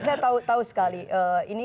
saya tahu sekali